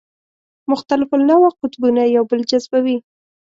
مختلف النوع قطبونه یو بل جذبوي.